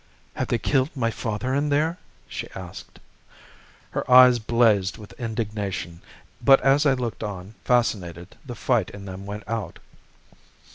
"'Have they killed my father in there?' she asked. "Her eyes blazed with indignation, but as I looked on, fascinated, the light in them went out.